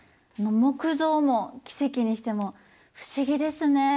木像も奇跡にしても不思議ですね。